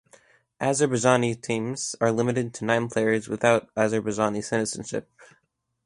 Azerbaijani teams are limited to nine players without Azerbaijani citizenship.